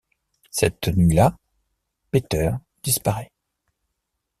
Cette nuit là, Peter disparaît.